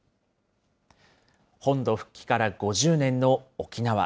本土復帰から５０年の沖縄。